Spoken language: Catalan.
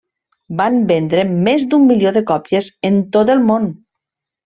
Van vendre'n més d'un milió de còpies en tot el món.